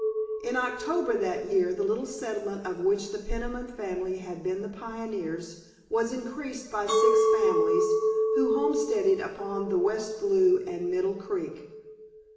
In October that year the little settlement of which the Peniman family had been the pioneers was increased by six families, who homesteaded upon the West Blue and Middle Creek.